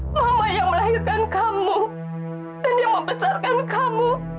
mama yang melahirkan kamu dan yang membesarkan kamu